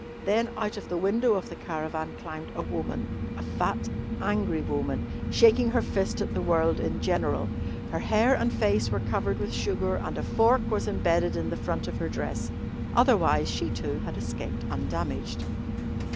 Then out of the window of the caravan climbed a woman a fat, angry woman, shaking her fist at the world in general. Her hair and face were covered with sugar and a fork was embedded in the front of her dress. Otherwise she, too, had escaped undamaged.